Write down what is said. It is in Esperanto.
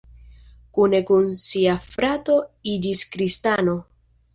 Kune kun sia frato iĝis kristano.